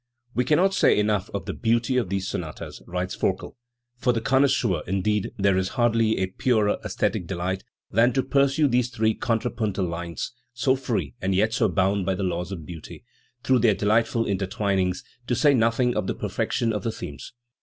"We cannot say enough of the beauty of these sonatas", writes ForkeL For the connoisseur, indeed, there is hardly a purer aesthetic delight than to pursue these three contra puntal lines so free and yet so bound by the laws of beauty through their delightful intertwinings, to say nothing of the perfection of the themes.